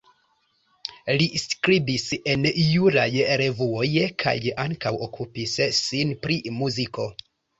Li skribis en juraj revuoj kaj ankaŭ okupis sin pri muziko.